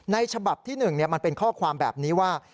ฉบับที่๑มันเป็นข้อความแบบนี้ว่า